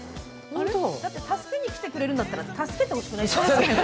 だって助けに来てくれるんだったら、助けてほしくない？